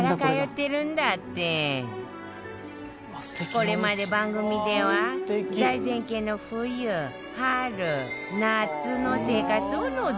これまで番組では財前家の冬春夏の生活をのぞき見